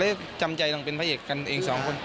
จำใจต้องเป็นพระเอกกันเองสองคน